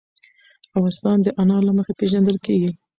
افغانستان د انار له مخې پېژندل کېږي.